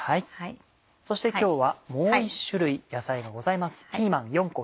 そして今日はもう１種類野菜がございます。